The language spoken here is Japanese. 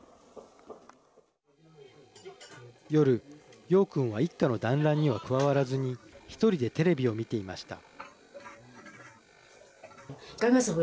夜、楊君は一家の団らんには加わらずに１人でテレビを見ていました。